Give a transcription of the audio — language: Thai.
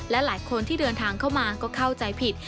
และหลายคนที่เดินทางเข้ามาก็เข้าใจผิด